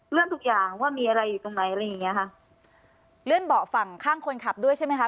ทุกอย่างว่ามีอะไรอยู่ตรงไหนอะไรอย่างเงี้ยค่ะเลื่อนเบาะฝั่งข้างคนขับด้วยใช่ไหมคะ